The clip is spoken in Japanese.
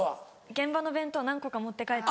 現場の弁当何個か持って帰って。